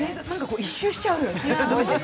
何か一周しちゃうよね。